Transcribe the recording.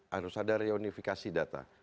harus ada reunifikasi data